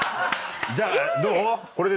じゃあどう？